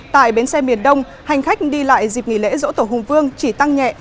tại bến xe miền đông hành khách đi lại dịp nghỉ lễ dỗ tổ hùng vương chỉ tăng nhẹ